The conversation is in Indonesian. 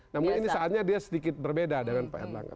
namun ini saatnya dia sedikit berbeda dengan pak erlangga